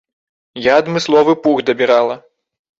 Я адмысловы пух дабірала.